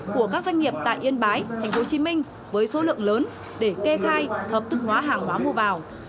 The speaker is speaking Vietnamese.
của các doanh nghiệp tại yên bái tp hcm với số lượng lớn để kê khai hợp thức hóa hàng hóa mua vào